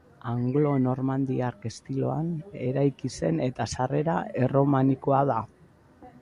Anglo-normandiar estiloan eraiki zen eta sarrera erromanikoa da.